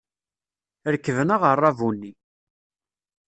Rekben aɣerrabu-nni.